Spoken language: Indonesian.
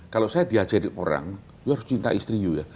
kalau saya diajarin orang yo harus cinta istri you ya